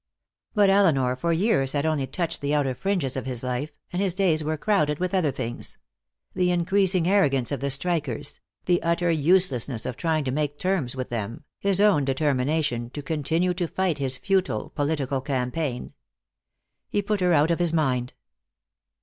But Elinor for years had only touched the outer fringes of his life, and his days were crowded with other things; the increasing arrogance of the strikers, the utter uselessness of trying to make terms with them, his own determination to continue to fight his futile political campaign. He put her out of his mind.